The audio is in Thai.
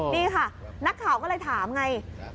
นี่ค่ะนักข่าวก็เลยถามไง